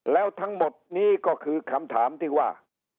แล้วทั้งหมดนี้ก็คือคำถามที่ว่า